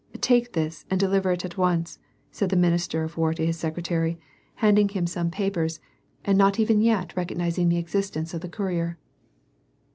" Take this and deliver it at once," said the minister of war to his secretary ,» handing him some 180 WAR AND PEACE. papers and not even yet recognizing the existence of the courier.